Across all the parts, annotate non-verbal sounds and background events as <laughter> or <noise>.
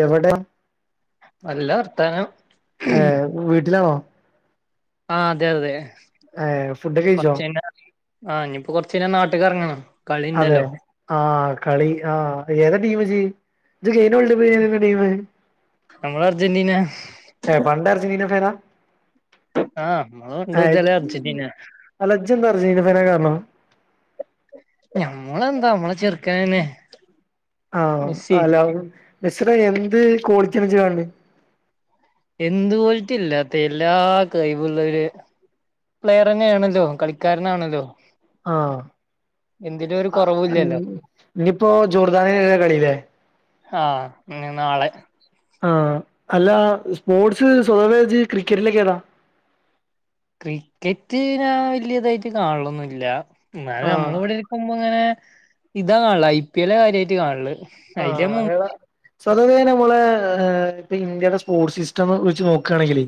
എവടെ നല്ല വർത്താനം ഏ വീട്ട്ലാണോ ആ അതെ അതെ ഏഹ് ഫുഡൊക്കെ കഴിച്ചോ കൊറച്ചയ്ഞ ആ ഞിപ കൊറച്ചയ്ഞാ നാട്ട്ക്കെറങ്ങണം അതെ ആ കളി ആ ഏതാ ടീം ജ് ഇത് <unintelligible> ടീമ് നമ്മളർജന്റീന <unintelligible> ആ നമ്മളെ പണ്ട് ഹായ്‌ മുതലേ അർജന്റീന അല്ല ജ്ജെന്താ അർജൻ്റിന ഫേനാകാരണം ഞമ്മളെന്താ ഞമ്മളെ ചെറുക്കനെന്നെ ആ അ ലൗ മെസ്സീടെ എന്ത് കോളിറ്റിയാ ജ്ജ് കാണ് എന്ത് കോള്ട്ട്യാഇല്ലാത്തത് എല്ലാ കഴിവുള്ളൊര് പ്ലെയർന്നേണല്ലോ കളിക്കാരനാണല്ലോ ആ എന്തിലും ഒരു കൊറവുല്ലല്ലോ ഇഞിപ്പോ ജോർദാനിതിരെ കളില്ലേ ആ ഞ് നാളെ ആഹ് അല്ല സ്പോർട്സ് സ്വാറേജ് ക്രിക്കറ്റിലൊക്കെ ഏതാ ക്രിക്കറ്റ് ഞാൻ വല്യതായിട്ട് കാണണൊന്നുല്ല എന്നാലും ആഹ് നമ്മള ഇവിടെ ഇരിക്കുമ്പോ ഇങ്ങെനെ ഇതാ കാണല് ഐ പി എല്ലാ കാര്യായിട്ട് കാണല് അയില് മു ആഹ് എള സ്വതെ തെ നമ്മളെ ഇപ്പ ഇന്ത്യയുടെ സ്പോർട്സ് സിസ്റ്റം വെച്ച് നോക്കാണെങ്കിലെ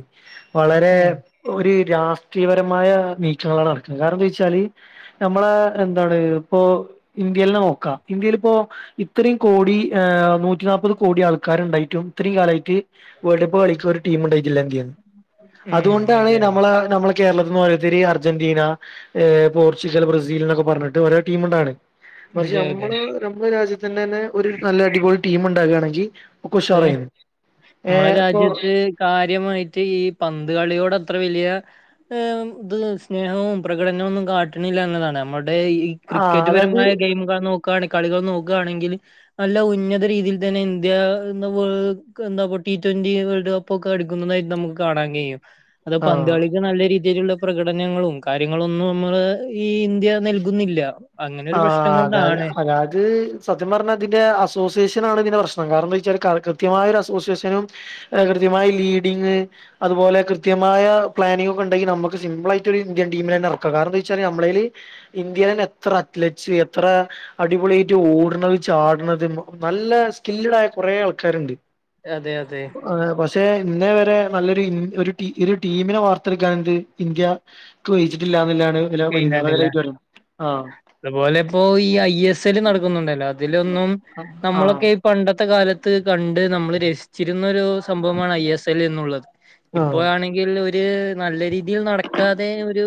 വളരെ ഉം ഒരു രാഷ്ട്രീയപരമായ നീക്കങ്ങളാണ് നടക്കുന്നത് കാര്ണം എന്താ ചോയ്ച്ചാല് ഞമ്മളെ എന്താണ് ഇപ്പോ ഇന്ത്യല്ന്നേ നോക്കാം ഇന്ത്യയിൽ ഇപ്പോ ഇത്രേം കോടി നൂറ്റി നാപത് കോടി ആൾക്കാര് ഇണ്ടായിട്ടും ഇത്രീം കാലായിട്ട് വേൾഡ് കപ്പ് കളിക്കുന്നൊരു ടീം ഉണ്ടായിട്ട് ഇല്ലെങ്കിന്ന് ഉം അതുകൊണ്ടാണ് അതെ നമ്മളെ നമ്മ കേരളത്തിന്ന് ഓരോർതരി അർജന്റീന പോർച്ചുഗൽ ബ്രസീൽ എന്നൊക്കെ പറഞ്ഞിട്ട് ഓരോ ടീം ഉണ്ടാവ്ണ് അതെ അതെ നമ്മള് നമ്മുടെ രാജ്യത്തന്നെന്നെ ടീം ഉണ്ടാകാണെങ്കിൽ അത് നമ്മളെ രാജ്യത്ത് കാര്യമായിട്ട് ഈ പന്ത് കളിയോട്ത് അത്ര വെല്യഏഹ് ഇത് സ്നേഹവും പ്രകടനവും ഒന്നും കാട്ട്ണില്ല എന്നതാണ് നമ്മ അവിടെ ഈ ആ ക്രിക്കറ്റ് അതായത് പരമായ ഗെയിം കാ നോ ക്കാണ് കളികൾ നോക്കാണെങ്കില് നല്ല ഉന്നത രീതിയിൽ തന്നെ ഇന്ത്യ വേ എന്താ ടി ട്വന്റി വേൾഡ് കപ്പ് ഒക്കെ അടിക്കുന്നതായിട്ട് നമുക്ക് കാണാൻ കഴിയും അത് ആ പന്ത്‌ കളിക്ക് നല്ല രീ തിലുള്ള പ്രകടനങ്ങളും കാര്യങ്ങളൊന്നു ഒന്നും നമ്മള് ഈ ഇന്ത്യ നൽകുന്നില്ല അങ്ങനെ ഒരു പ്രശ്നം ആഹ് അതാ കൊണ്ടാണ് അതായത് സത്യം പറ്ഞ്ഞാ ഇതിന്റെ അസോസിയേഷൻ ആണ് ഇതിന്റെ പ്രശ് <unintelligible> കൃത്യമായ ഒര് അസോസിയേഷനും കൃത്യമായ ലീഡിങ്ങ് അതുപോലെ കൃത്യ മായ പ്ലേനിങ്ങ് ഒക്കെ ഇണ്ടെങ്കിൽ നമക്ക് സിമ്പിൾ ആയിട്ട് ഒരു ഇന്ത്യൻ ടീമിനെ തന്നെ എറക്കാ കാര്ണം ന്താ വെച്ചാൽ നമ്മളേല് ഇന്ത്യ എത്ര അറ്റ്ലറ്റ്സ് എത്ര അടിപൊള്യട്ട് ഓട്ണത് ചാട്ണത് നല്ല സ്കില്ല്ഡ് ആയ കൊറേ ആൾക്കാര്ണ്ട് അതെ അതെ ആഹ് പഷേ ഇന്നേ വരെ നല്ലൊരു ഒരു ടീ ഒരു ടീമിനെ വാർത്തെടുക്കാനെന്ത് ഇന്ത്യ <unintelligible> ഇതിലെ ചെയ്യുന്നുണ്ടില്ല പരിതാപകരവായിട്ട് <unintelligible> അതുപോലെ ഇപ്പോ ഈ ഐ എസ് എൽ നടക്കുന്നുണ്ടല്ലോ അതിലൊന്നും ആഹ് നമ്മളൊക്കെ ഈ പണ്ട ത്തെ കാലത്ത് കണ്ട് നമ്മള് രസിച്ചിരുന്നൊരു സംബവാമാണ് ഐ എസ് എൽ എന്നുള്ളത് ഇപ്പോ ആഹ് ആണെങ്കിൽ ഒര് നല്ല രീതിൽ നടക്കാ ഒരു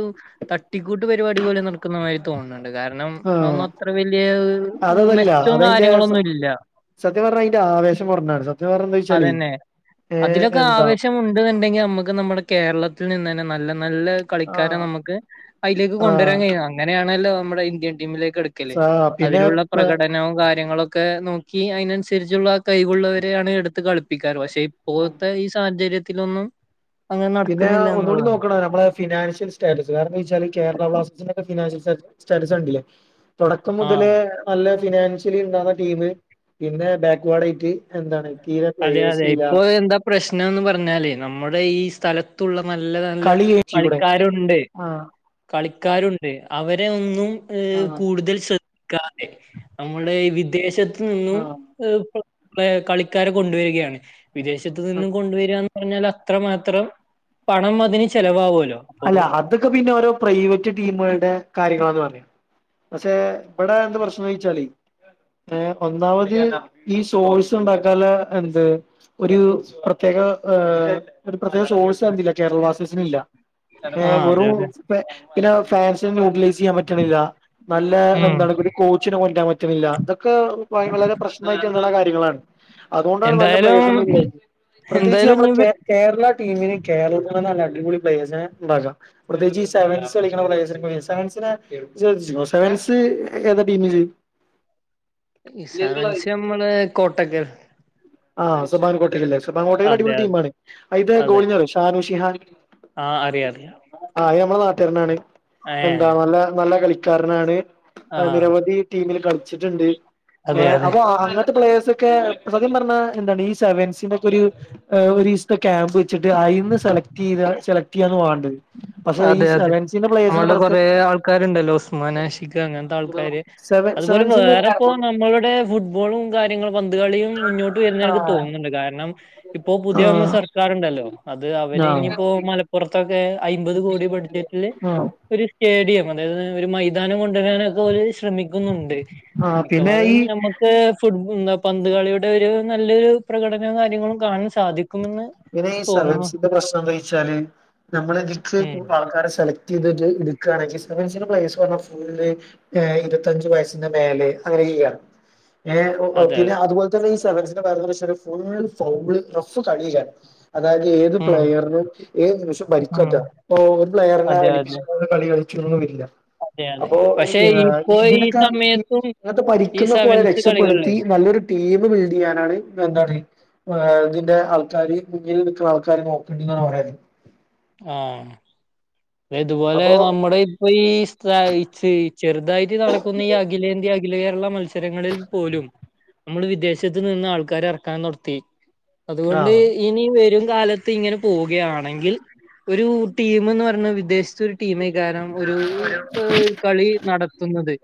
തട്ടിക്കൂട്ട് പരിപാടി പോലെ നടക്കുന്ന മാതിരി തോന്നണ് ണ്ട് കാരണം അതൊന്നും ആഹ് അത്ര വല്യ അതതല്ല മെച്ചവും അതയിന്റെ കാര്യങ്ങളും ഒന്നും ഇല്ല. സത്യം പറഞ്ഞാ അയിന്റെ ആവേശം കൊർഞ്ഞാണ് സത്യം പറഞ്ഞാ എന്താ വെച്ചാലേ അതന്നെ ഏഹ് അതിലൊക്കെ എന്താ ആവേശം ഉണ്ട്ന്നുണ്ടെങ്കിൽ നമുക്ക് നമ്മുടെ കേരളത്തിൽ നിന്ന് തന്നെ നല്ല നല്ല കളിക്കാരാനെ ആഹ് നമുക്ക് അയിലേക്ക് കൊണ്ടുവരാൻ ആഹ് കഴിയും. അങ്ങനെയാണല്ലോ നമ്മുടെ ഇന്ത്യൻ ടീമിലേക്ക് ടുക്കല് സാ പിന്നെ അതിലുള്ള പ്രകടനവും കാര്യങ്ങളും ഒക്കെ നോക്കി അയി നൻസരിച്ചുള്ള കഴിവുള്ളവരെയാണ് എടുത്ത് കളിപ്പിക്കാറ്. പക്ഷെ ആഹ് ഇപ്പോഴത്തെ ഈ സാഹചര്യത്തിലൊന്നും അങ്ങനെ പിന്നെ നടക്കുന്നില്ല ഒന്നുകൂടി എന്നുള്ളതാണ്. നോക്കണം നമ്മളെ ഫിനാൻഷ്യൽ സ്റ്റാറ്റസ് കാരണംന്താ വെച്ചാല് ഈ കേരള ബ്ലാസ് സ്റ്റാറ്റസ് കണ്ടില്ലേ തൊടക്കം മൊ ആഹ് തലേ നല്ല ഫിനാൻഷ്യലി ഇണ്ടാവുന്ന ടീം പിന്നെ ബാക്ക്വേർഡ് ആയിട്ട് എന്താണ്. തീരെ അതെ പ്ലെയേഴ്സ് അതെ ഇല്ല ഇപ്പോ എന്താ പ്രശ്നം എന്ന് പറഞ്ഞാലേ നമ്മുടെ ഈ സ്ഥലത്തുള്ള നല്ല നല്ല കളി ജയിച്ചു കൂടെ കളിക്കാരും ണ്ട്. ആഹ് കളിക്കാരുണ്ട് അവരെ ഒന്നും ഏ ആഹ് കൂടുതൽ ശ്ര നമ്മുടെ ഈ വിദേശത്ത് നിന്നും ആഹ് കളി ക്കാരെ കൊണ്ടുവരികയാണ് വിദേശത്തു നിന്നും കൊണ്ടുവര പറഞ്ഞാൽ അത്രമാത്രം പണം അതിന് ചെലവാവു അല്ല അതൊക്കെ പിന്നെ ഓരോ പ്രൈവറ്റ് ടീമുകളുടെ കാര്യങ്ങളാന്ന് പറയാം. പക്ഷെ ഇവിടെ എന്ത് പ്രശ്നം ന്ന് ഒയ്ച്ചാല് ഏഹ് ഒന്നാമത് ഈ സോഴ്സ് ഉണ്ടാക്കാല എന്ത് ഒരു പ്രത്യേ ഏ ഒരു പ്രത്യേക സോഴ്സ് എന്തില്ല കേരള ബ്ലാസ്റ്റേഴ്‌സ്ന് ഇല്ല ഏഹ് ആഹ് അതെ വെറും അതെ പിന്നെ ഫാൻസിനെ ന്യൂട്ലൈസ് ചെയ്യാൻ പറ്റണില്ല നല്ല ഉം എന്താണ് ഒരു കോച്ചിനെ കൊണ്ടരാൻ പറ്റണില്ല. ഇതൊക്കെ വളരെ പ്രശ്നായിട്ട് ഉ ള്ള കാര്യങ്ങളാണ് അതുകൊണ്ടാണ് നല്ല എന്തായാലും പ്ലേയേഴ്‌സ് ഒന്നും <unintelligible> പ്രത്യേകിച്ച് എന്തായാലും നമ്മടെ ഇനി വ് കേരള ടീമിന് കേരളത്തിൽ തന്നെ നല്ല അടിപൊളി പ്ലേയേഴ്സ് ഉണ്ടാകാം പ്രത്യേകിച്ച് ഈ സെവൻസ് കളിക്കണ പ്ലേയേഴ്സിനെപോലെ സെവൻസിനെ ശ്രദ്ധിച്ചിട്ടുണ്ടോ സെവൻസ് ഏതാ ടീം ഇജ്ജ് ഈ സെവൻസ് നമ്മള് കോട്ടക്കൽ ആഹ് സുബാൻ കോട്ടൽല്ലേ ആഹ് സുബാൻ കോട്ടയിൽ അതെ അടിപൊളി അതെ ടീമാണ് ഇത് അതെ ഗോളീനെ അറിയുവോ ഷാനു ഷിഹാൻ ആഹ് അറിയാ അറിയാ ആഹ് അയ് നമ്മള നാട്ടരനാണ് എന്താ നല്ല നല്ല കളിക്കാരനാണ്. ആഹ് നിരവധി ടീമിൽ കളിച്ചിട്ടുണ്ട് അതെ അതെ അപ്പൊ അങ്ങനത്തെ പ്ലേയേഴസ് ഒ ക്കെ സത്യം പറഞ്ഞാ എന്താണ് ഈ സെവൻസിനൊക്കെ ഒരു ഒരീസ് ത്തെ ക്യാമ്പ് വെച്ച്ട്ട് അയിന്ന് സെലക്ടീത് സെലക്ടീയ്യാണ് വാണ്ടത്. പക്ഷെ ഈ അതെ അതെ സെവൻസിന്റെ പ്ലേയേഴ്സിന് നമ്മള്ടെ പ്രത്യേക കൊറെ ആൾക്കാര്ണ്ടല്ലൊ ഉസ്മാൻ, ആ ഷിഖ് അങ്ങൻത്താൾക്കാര് സെവ അതുപോലെ സെവൻസിന്റെ ആ വേറെപ്പൊ നമ്മളുടെ ഫുട്ബോളും കാര്യങ്ങളും പന്ത് കളിയും മുന്നോട്ട് ആ വരുന്നെനിക്ക് തോന്ന്ണ്ട്. കാരണം ഇപ്പൊ പുതിയ വന്ന സർക്കാറ്ണ്ടല്ലൊ അത് അ അവര് ഇനിയിപ്പൊ മലപ്പൊറത്തൊക്കെ അയ്മ്പത് കോടി ബഡ്ജറ്റ്ല് ആ ഒരു സ്റ്റേഡിയം ഒരു മൈതാനം കൊണ്ട് വരാനൊക്കെ ഓര് ശ്രമിക്കുന്നുണ്ട് ആ പിന്നെ മിക്കവാറും ഈ ഞമ്മക്ക് ഫുട് ഉം പന്ത് കളിയുടെ ഒര് നല്ലൊരു പ്രകടനം കാര്യങ്ങളും കാണാൻ സാധിക്കും. പിന്നെ ഈ സെവൻസിന്റെ പ്രശ്നം എന്ത ചൊയ്ച്ചാല് നമ്മള് ഉം <unintelligible> ആൾക്കാരെ സെലക്ടീത്ട്ട് ഇട്ക്കാണെങ്കി സെവൻസിന് പ്ലയേഴ്സിന് ഫുള്ള് ഏഹ് ഇരുപത്തഞ്ച് വയസ്സിന് മേലെ അങ്ങനെയ്യാം ഏഹ് അതെ പിന്നെ അതെ അതുപോല തന്നെ ഈ സെവൻസിന്റെ കാര്യം ന്ന്ചാല് ഫുള്ള് ഫൗള് റഫ് കളിയെകാരം. അതായത് ഏത് ഉം പ്ലെയറ്നും ഏത് നിമിഷം പരിക്ക് ഉം പറ്റാം ഒരു പ്ലെയറിന അതെ അതെ അടിപ്പിച്ചൊ കളി കളി ചിന്ന് വരില്ല അതെ അതെ അപ്പോ പക്ഷെ ഇപ്പൊ ഈ ഇതിനൊക്കെ സമയത്തും ഇങ്ങത്തെ ഈ പരിക്ക്ന്നൊക്കെ ഓലെ സെവൻസ് കളികളിലെ രക്ഷപ്പെടുത്തി നല്ലൊരു ടീമ് ബിൽഡീയ്യാനാണ് എന്താണ് ആഹ് ഇതിന്റെ ആൾക്കാര് മുന്നിൽ നിക്ക്ണ ആൾക്കാര് നോക്ക്ണ് ണ്ട്ന്നാണ് പറയ്ന്നെ ആ ഇത്പോലെ അപ്പൊ നമ്മള് ഇപ്പൊ ഈ സ് ചെറുതായിട്ട് നടക്കുന്ന ഈ അഖിലേന്ത്യ അഖില കേരള മത്സരങ്ങളിൽ പോലും. നമ്മള് വിദേശത്ത് നിന്ന് ആൾക്കാരെ ഏറക്കാൻ തൊടത്തി- അതുകൊണ്ട് ആഹ് ഇനി വെരും കാലത്ത് ഇങ്ങനെ പോകയാണെങ്കിൽ ഒരൂ ടീമ്ന്ന് പറ വിദേശത്തൊരു ടീമേകാരം ഒരൂ കളി നടത്തുന്നത്-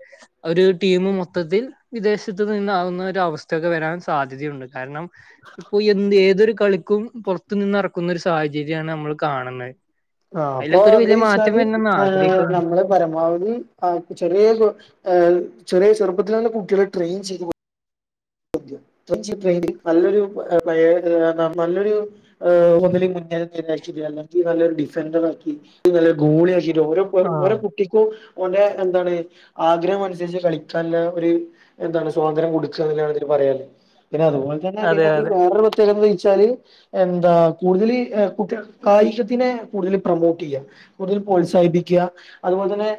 ഒരു ടീമു മൊതത്തിൽ വിദേശത്ത് നിന്നാകുന്ന ഒരു അവസ്ഥക്കെ വരാൻ സാധ്യതയുണ്ട് കാരണം ഇപ്പൊ എന്ത് ഏതൊരു കളിക്കും പൊറത്ത് നിന്ന്റെക്കുന്ന ഒരു സാഹചര്യാണ് അമ്മള് കാണുന്നെ- ആഹ് അപ്പൊ എന്താെയ്ചാല് ആഹ് ആഗ്രഹിക്കുന്നു നമ്മള് പരമാവധി ആ ചെറീ- ചെറീ ചെറുപ്പതിലന്നെ കുട്ടിളെ ട്രെയിൻ ചെയ്തു - നല്ലൊരു ഒന്നിൽ മുന്നിൽ <unintelligible> നല്ലൊരു ഡിഫന്ററെറക്കി നല്ലൊരു ഗോളി ആക്കി- ഓരോ ആ ഓരോ കുട്ടിക്കും ഓന്റെ എന്താണ് ആഗ്രഹം അനുസരിച്ച് കളിക്കാന്ള്ള ഒര് എന്താണ് സ്വാതന്ത്രകൊടുക്കാണ് പറാല്ലെ പിന്നെ അതുപോലെ തന്നെ പിന്നെ അതെ ഇതില് അതെ വേറെരു പ്രത്യക ചൊ എന്താ കൂടുതല് ഏഹ് കായികത്തിന് കൂടുതല് പ്രമോട്ടീയ്യ കൂട് പ്രോത്സാഹിപ്പിക്ക അത്പോലെ തന്നെ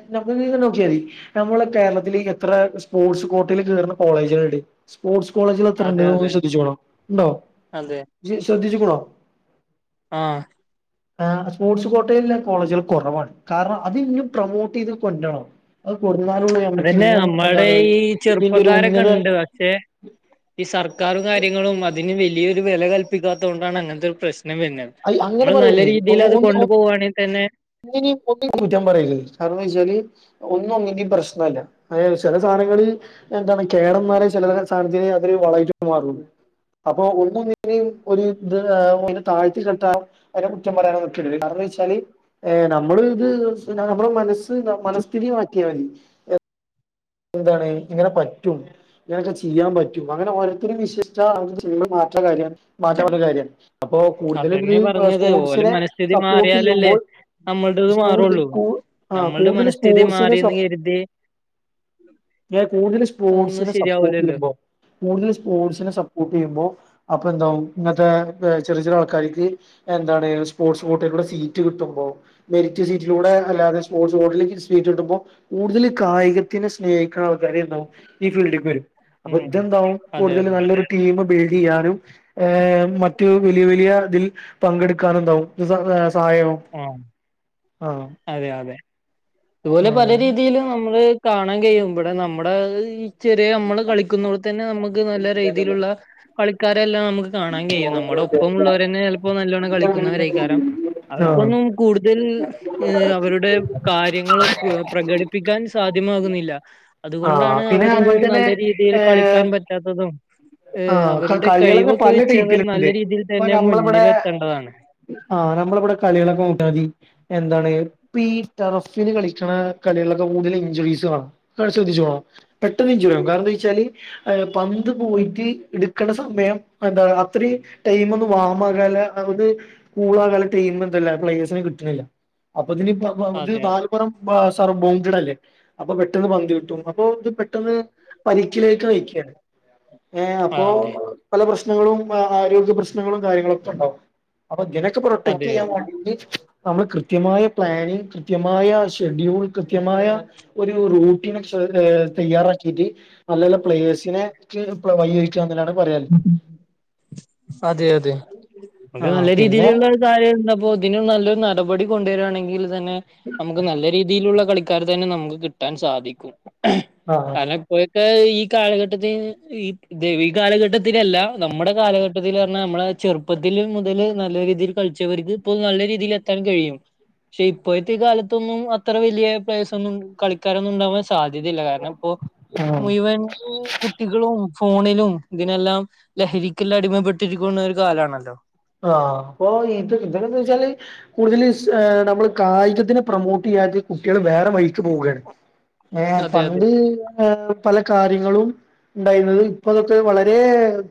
<unintelligible> നോക്കിയതി നമ്മളെ കേരളത്തില് എത്ര സ്പോർട്സ്- കോട്ടയിൽ കേറുന്നകോളേജുകലുണ്ട് സ്പോർട്സ് കോളേജ്ള് അതെ എത്രെണ്ണണ്ട് അതെ ശ്രദ്ധിച്ചുകുണോ ഉണ്ടോ ഇജ് ശ്രദ്ധിച്ച്കുണോ ആഹ് ആഹ് സ്പോർട്സ് കോട്ടേലില്ല കോളേജെള് കൊറവാണ് കാരണം അത് ഇനിയും പ്രമോട്ടീത് കൊണ്ടുവരണം അതെന്നെ നമ്മ്ടെ ഈ ഇതിന്റെ ഒരു ഉന്നത ചെറുപ്പക്കാരൊക്കെണ്ട് പക്ഷെ- ഈ സർക്കാറും കാര്യങ്ങളും അതിന് വെലിയൊരു വെല കല്പിക്കാത്ത കൊണ്ടാണ് അങ്ങന് ത്തൊരു പ്രശ്നം വരന്ന അങ്ങനെ നമ്മൾ നല്ല രീതിയിൽ അത് കൊണ്ടു പോോകുകവാണെങ്കിൽ തന്നെ- ഒന്നും കുറ്റം പറയരുത് കാരണം വച്ചാല് ഒന്നും ഒന്നിന്റെ പ്രശ്നല്ല അയെ ചെ ചില സ്ഥലങ്ങളിൽ എന്താണ് കേടംമാരെ ചെല ചെല സാധനതിന് അതൊരു വളായിറ്റ് മാറൂ അപ്പോ ഒന്നും ഒന്നിനെ ഒര് ഇത് അയിനെ താഴ്ത്തി കെട്ടാനൊ അയിനെ കുറ്റം പറയാനൊ- കാരണം വെച്ചാല് ഏഹ് നമ്മള് ഇത് നമ്മളെ മനസ്സ്- നമ്മടെ മനസ്ഥിതിമാറ്റിയ മതി എന്താണ് ഇങ്ങനെ പറ്റും. ഇങ്ങനൊക്കെ ചിയ്യാൻ പറ്റും. അങ്ങനെ ഓരോത്തര് വിശ്വസിച്ചാ <unintelligible> - കാര്യാണ് മാറ്റ പറഞ്ഞൊരു കാര്യാണ്. അപ്പോ കൂടുതല് ഇത് അതന്നെ പറഞ്ഞത് ഓലെ സ്പോർട്സിനെ മനസ്ഥിതി മാറിയാലല്ലേ സപ്പോർട്ടീയ്യുമ്പോൾ- നമ്മളുടേത് മാറുള്ളൂ നമ്മളുടെ കൂടുതല് മനസ്ഥിതി സ്പോർട്സിന് മാറിയെന്ന് സപോ കരുതി ഏഹ് കൂടുതല് അതൊന്നും സ്പോർട്സിനെ ശരിയാവൂലല്ലോ സപ്പോർട്ടീയ്യുമ്പോൾ കൂടുതല് സ്പോർട്സിനെ സപ്പോർട്ടീയ്യുമ്പൊ അപ്പൊഎന്താകും ഇങത്തെ ചെറീ ചെറീ ആൾക്കാര്ക് എന്താ സ്പോർട്സ് കോട്ടയിലൂടെ സീറ്റ്- കിട്ടുമ്പോ മെററിറ്റ് സീറ്റിലൂടെ അല്ലാെ സ്പോർട്ഡസ് കേട്ടയിൽ സീറ്റ് കിട്ടമ്പോ കൂടുതൽ കായി- സ്നേഹിക്കുന്ന ആൾക്കാരെന്താാവും ഈ ഫീൽഡിൽ വരും അപ്പൊ ഉം ഇതെന്താവും അതെ കൂടുതൽ അതെ നല്ലൊരു ടീം- ലീഡ് ചെയാനും മറ്റ് വലിയ, വലിയ ഇതിൽ പങ്കെടുക്കാനും- സഹായം ആ ആകും അതുപോലെ പല രീതിൽ നമ്മള് കാണാൻ കഴിയും ഇവിടെ നമ്മുടെ- ചെറിയ നമ്മള് കളിക്കുന്നോണ്ട് തന്നെ നമുക്ക് നല്ല രീതിയിലുള്ള കളിക്കാരെല്ലാം- നമുക്ക് കാണാൻ കഴിയും നമ്മുടെ ഒപ്പം ഉുള്ളവരന്നെ ചിലപ്പോ നല്ലോണം കളിക്കുന്നവര കാരണം ആഹ് അവർക്കൊന്നും കൂടുതൽ അവരുടെ കാര്യ- പ്രകടിപ്പിക്കാൻ സാധ്യമാകുന്നില്ല ആഹ അതുകൊണ്ടാണ് പിന്നെ അതുപോലെ അവരൊന്നും തന്നെ നല്ല രീതിയിൽ ഏ കളിക്കാൻ - പറ്റാത്തതും ഏഹ് ആഹ അവരുടെ കളികള് തന്നെ കഴിവൊക്കെ പല വെച്ച് അവർ നല്ല ടൈപ്പിലുണ്ട് രീതിയിൽ ഇപ്പൊ തന്നെ നമ്മളിവിടെ- മുന്നിലെത്തേണ്ടതാണ് ആഹ് നമ്മള ഇവിടെ കളികളൊക്കെ മുട്ടാ മതി എന്താണ് ഇപ്പ ഈ ടെറഫിന് കളിക്കണ കളികളൊക്കെ കൂടുതൽ ഇഞ്ചുറീസ് വേണം ശ്രദ്ധിച്ചോണം പെട്ടന്ന്- കാരണം എന്താന് വെച്ചാല് പന്ത് പോയിട്ട്‌ എക്കണ്ട സമയം എന്ത അത്ര ടൈ ഒ വാ ആക അത് കൂക <unintelligible> ടൈം എന്താ പ്ലയേഴ്സിനെ കിട്ടുന്നില്ല അപ്പത്തിന് അ അതെ അത് ബർസറാ- അപ്പൊ പെട്ടെന്ന് പന്ത്‌ കിട്ടും അപ്പൊ ഇത് പെട്ടെന്ന് പരിക്കിലേക്ക് നയിക്കുകയാണ് ആ അതെ അപ്പോ- പ്രശ്നങ്ങളും അ ആരോഗ്യ പ്രശ്നങ്ങളും കാരങ്ങളൊക്കെ ഉണ്ടാവും അ അ ഇതിനൊക്ക പ്രൊട്ടക്ട് അതെ ചെയ്യാൻ വേണ്ടീട്ട് നമ്മള് കൃത്യമായ പ്ലാനിങ് കൃത്യമായ ഷെഡ്യൂൾ കൃത്യമായ ഒരു റൂട്ടീൻ ശേ ഏഹ് തയ്യാറാക്കിട്ട്. നല്ലല്ല പ്ലേയെസിനെ. ഇ വൈിഴിച്ചന്നാണ് പറയാല് അതെ അതെ നിനക്ക് ആഹ് നല്ല പിന്നെ രീതിയിലുള്ള ഒരു കാര്യായിരുന്നപ്പോ ഇതിനും നല്ല നല്ലരു നടപടി കൊണ്ടുവരിയാണെങ്കിൽ തന്നെ നമുക്ക് നല്ല രീതിഉള്ള കളിക്കാരെ തന്നെ നമുക്ക് കിട്ടാൻ സാധിക്കും ആഹ് കാരണം ഇപ്പോഴത്തെ കളിക്കാർ ഈ കാലഘട്ടത്തി ഈ ഈ കാലഘട്ടത്തിലല്ല നമ്മുടെ കാലഘട്ട ത്തിൽ പറഞ്ഞാൽ നമ്മളെ ചെറുപ്പത്തിൽ മുതല് നല്ല രീതിയിൽ കളിച്ചവർക്ക് ഇപ്പോ നല്ല രീതിൽ എത്താൻ കഴിയും. പക്ഷെ ഇപ്പോഴത്തെ ഈ കാലത്തൊന്നും അത്ര വലിയ പ്ലേസ് ഒന്നും കളിക്കാരൊന്നും ഉണ്ടാവാൻ സാ സാധ്യതയില്ല കാരണം ഇപ്പോ ആഹ് മുഴുവൻ കുട്ടികളും ഫോണിലും ഇതിനെല്ലാം ലഹരിക്കൽ അടിമപ്പെട്ടിരിക്കുന്ന ഒരു കാലാണല്ലോ? ആ അപ്പൊ ഇത് ഇവിനെന്തെച്ചാൽ കൂടുതൽ ഏ നമ്മള് കായികത്തിന് പ്രൊമോട്ട് ചെയ്യ അതായത് കുട്ടികൾ വേറെ വൈയ്ക്ക് പോവുകയാണ് ഏ അതെ അതെ പണ്ട് പല കാര്യങ്ങളും ഉണ്ടായിരുന്നത് ഇപ്പൊ അതൊക്കെ വളരെ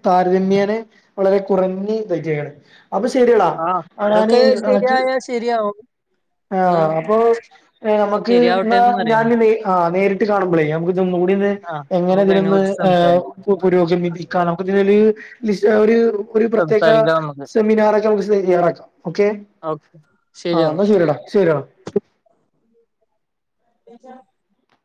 താരതമ്യേന വളരെ കുറഞ്ഞു തയ്റ്റയാണ്. അപ്പൊ ശരിയടാ ആഹ് ഞാന് അതൊക്കെ അണക്ക് ശരിയായാ ശരിയാവും എന്നാ ആഹ് അപ്പൊ നമുക്ക് ശരിയാവട്ടെ എന്നാ എന്ന് പറയണം ഞാന് നേ ആ നേരിട്ട് കാണുമ്പോളേ നമുക്ക് ഇതോന്നുകൂടി ഒന്ന് ആഹ് എങ്ങനെ നമുക്ക് അതിനെ ഇതിനൊന്ന് കുറിച്ച് സംസാരി പുരോഗമിക്കാം നമുക്കിതിനൊരു ലിസ്റ്റ് ഒരു ഒരു പ്രത്യേക സംസാരിക്കാം നമുക്ക് സെമിനാറൊക്കെ നമുക്ക് തയ്യാറാക്കാം. ഓക്കെ ഓക്കെ ശരി ആ എന്നാ ശരിയടാ ശരിയടാ. <unintelligible>